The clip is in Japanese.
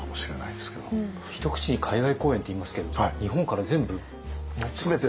一口に海外公演って言いますけれども日本から全部持って。